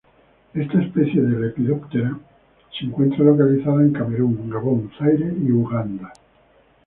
Esta especie de Lepidoptera se encuentra localizada en Camerún, Gabón, Zaire y Uganda.